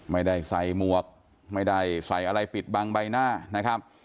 ไม่ได้ใส่หมวกไม่ได้ใส่อะไรปิดบังใบหน้านะครับ